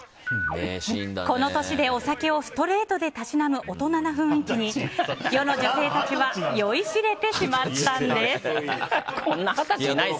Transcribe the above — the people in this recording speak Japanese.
この年でお酒をストレートでたしなむ大人な雰囲気に、世の女性たちは酔いしれてしまったんです。